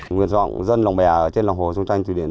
nguyên dọng dân lồng bè ở trên lòng hồ sông chanh